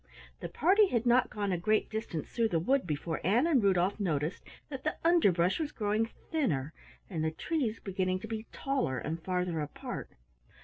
The party had not gone a great distance through the wood, before Ann and Rudolf noticed that the underbrush was growing thinner and the trees beginning to be taller and farther apart.